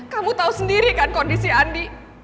kamu tahu sendiri kan kondisi andi